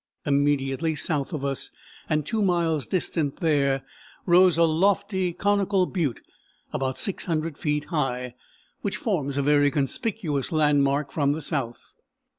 Immediately south of us, and 2 miles distant there rose a lofty conical butte about 600 feet high, which forms a very conspicuous landmark from the south.